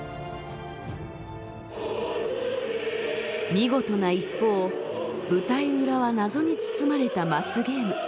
見事な一方舞台裏は謎に包まれたマスゲーム。